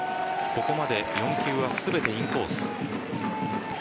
ここまで４球は全てインコース。